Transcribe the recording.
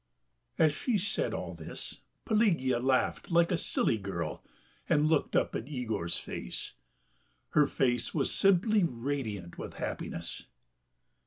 As she said all this Pelagea laughed like a silly girl and looked up at Yegor's face. Her face was simply radiant with happiness.